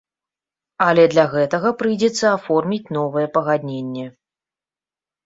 Але для гэтага прыйдзецца аформіць новае пагадненне.